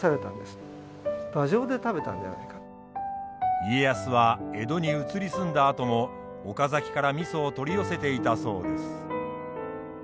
家康は江戸に移り住んだあとも岡崎から味を取り寄せていたそうです。